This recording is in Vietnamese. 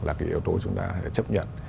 là yếu tố chúng ta chấp nhận